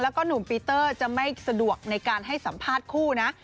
แล้วก็หนุ่มปีเตอร์จะไม่สะดวกในการให้สัมภาษณ์คู่นะ